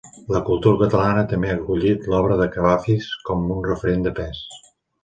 La cultura catalana també ha acollit l'obra de Kavafis com un referent de pes.